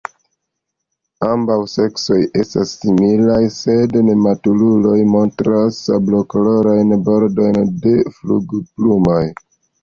Ambaŭ seksoj estas similaj, sed nematuruloj montras sablokolorajn bordojn de flugilplumoj.